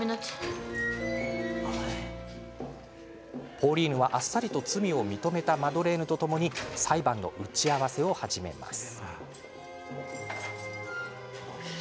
ポーリーヌは、あっさりと罪を認めたマドレーヌとともに裁判の打ち合わせを始めます。